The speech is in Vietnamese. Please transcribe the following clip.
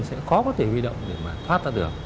sẽ khó có thể huy động để mà thoát ra được